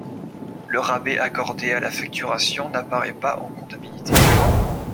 Le rabais accordé à la facturation n'apparaît pas en comptabilité.